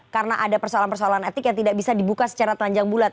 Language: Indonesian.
karena ada persoalan persoalan etik yang tidak bisa dibuka secara telanjang bulat